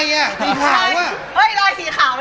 รอยสีขาวว่ะพี่